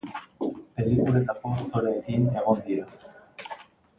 Pelikuletako aktoreekin egon dira.